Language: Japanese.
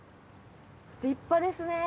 立派ですね。